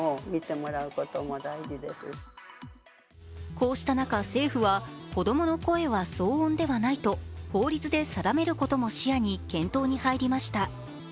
こうした中、政府は子供の声は騒音ではないと法律で定めることも視野に検討に入りました。